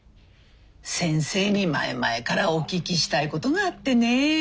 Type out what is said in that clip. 先生に前々からお聞きしたいことがあってね。